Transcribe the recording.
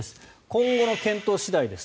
今後の検討次第です